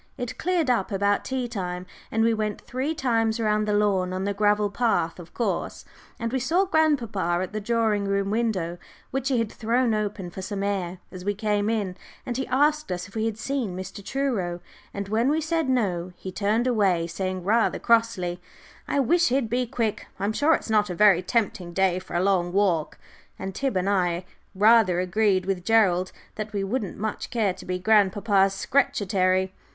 It cleared up about tea time, and we went three times round the lawn, on the gravel path, of course, and we saw grandpapa at the drawing room window, which he had thrown open for some air, as we came in, and he asked us if we had seen Mr. Truro. And when we said no, he turned away, saying, rather crossly, "I wish he'd be quick; I'm sure it's not a very tempting day for a long walk," and Tib and I rather agreed with Gerald that we shouldn't much care to be grandpapa's "Scretchetary."